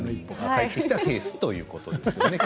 返ってきたケースということですね